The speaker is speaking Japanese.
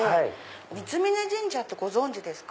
三峯神社ってご存じですか？